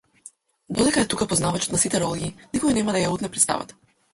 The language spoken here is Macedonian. Додека е тука познавачот на сите ролји, никој нема да ја утне претставата!